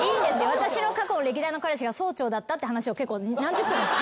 私の過去の歴代の彼氏が総長だったって話を結構何十分も。